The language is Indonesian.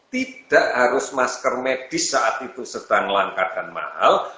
tidak harus masker medis saat itu sedang langka dan mahal